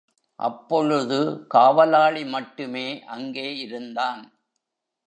அப்பொழுது, காவலாளி மட்டுமே அங்கே இருந்தான்.